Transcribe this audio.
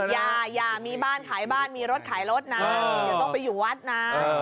อย่ามีบ้านขายบ้านมีรถขายรถนะอย่าต้องไปอยู่วัดนะ